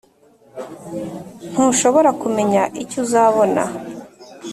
ntushobora kumenya icyo uzabona.